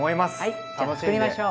じゃ作りましょう！